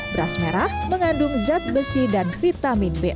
beras merah mengandung zat besi dan vitamin b enam